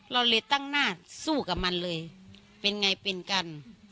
เราเลยตั้งหน้าสู้กับมันเลยเป็นไงเป็นกัน